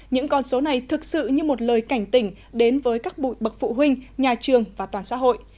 những con số này thực sự như một lời cảnh tỉnh đến với các bụi bậc phụ huynh nhà trường và toàn xã hội